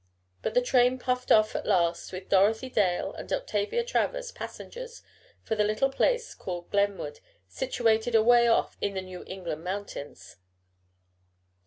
But the train puffed off at last, with Dorothy Dale and Octavia Travers passengers for the little place called Glenwood, situated away off in the New England mountains.